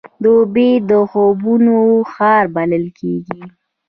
دوبی د خوبونو ښار بلل کېږي.